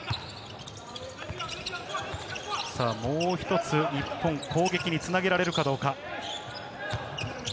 もう一つ日本、攻撃につなげられるかどうか。